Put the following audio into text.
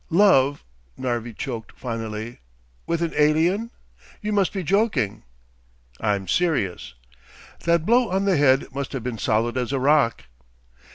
"Love," Narvi choked finally. "With an alien? You must be joking." "I'm serious." "That blow on the head must have been solid as a rock."